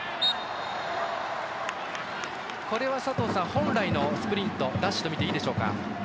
本来のスプリント奪取とみていいでしょうか。